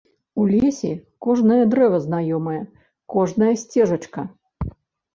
У лесе кожнае дрэва знаёмае, кожная сцежачка.